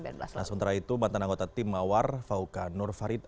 nah sementara itu mantan anggota tim mawar fawka nurfarid